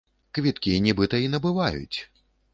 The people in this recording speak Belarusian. Квіткі нібыта і набываюць.